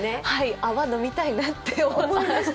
泡、飲みたいなって思いました。